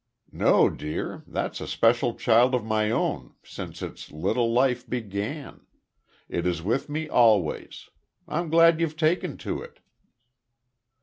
"No, dear. That's a special child of my own, since it's little life began. It is with me always. I'm glad you've taken to it."